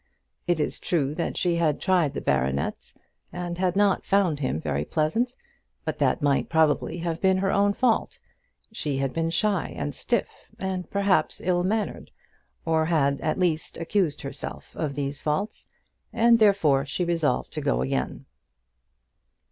It is true that she had tried the baronet, and had not found him very pleasant, but that might probably have been her own fault. She had been shy and stiff, and perhaps ill mannered, or had at least accused herself of these faults; and therefore she resolved to go again.